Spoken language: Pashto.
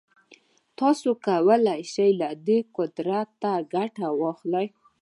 تاسې څنګه کولای شئ له دې قدرته ګټه واخلئ.